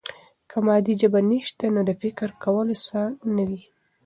که مادي ژبه نسته، نو د فکر کولو څه نه وي.